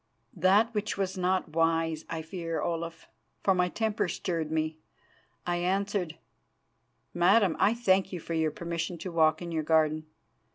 "That which was not wise, I fear, Olaf, for my temper stirred me. I answered: 'Madam, I thank you for your permission to walk in your garden.